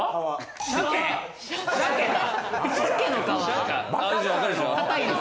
鮭だ。